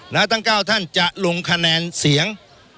แล้วทั้ง๙ท่านจะลงคะแนนเสียง